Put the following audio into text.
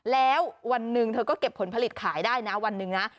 แล้ววันหนึ่งเธอก็เก็บผลผลิตขายได้นะวันหนึ่งนะ